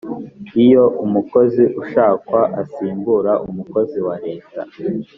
iyo umukozi ushakwa asimbura umukozi wa leta